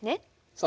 そう。